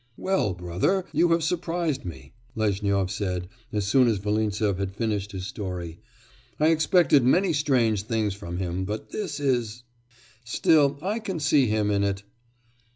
'Well, brother, you have surprised me!' Lezhnyov said, as soon as Volintsev had finished his story. 'I expected many strange things from him, but this is Still I can see him in it.